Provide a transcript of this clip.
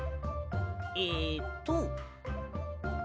えっと。